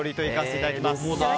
いただきます。